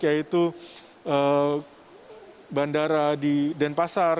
yaitu bandara di denpasar